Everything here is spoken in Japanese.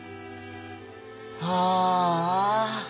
ああ。